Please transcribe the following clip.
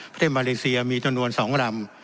ประเทศมาเลเซียมีจำนวน๒ลำ